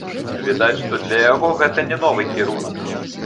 Відаць, што для яго гэта не новы кірунак.